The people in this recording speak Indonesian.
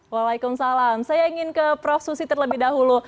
waalaikumsalam saya ingin ke prof susi terlebih dahulu